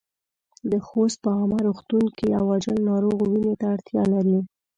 د خوست په عامه روغتون کې يو عاجل ناروغ وينې ته اړتیا لري.